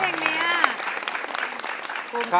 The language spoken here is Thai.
ถ้าพร้อมอินโทรเพลงที่สี่มาเลยครับ